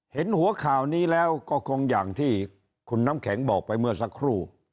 เห็นหัวข่าวนี้แล้วก็คงอย่างที่คุณน้ำแข็งบอกไปเมื่อสักครู่